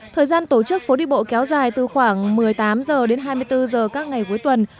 thời gian tổ chức phố đi bộ kéo dài từ khoảng một mươi tám h đến hai mươi bốn h các ngày cuối tuần